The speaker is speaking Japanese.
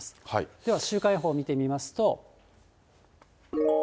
では週間予報を見てみますと。